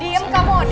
diam kamu oding